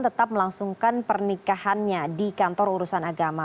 tetap melangsungkan pernikahannya di kantor urusan agama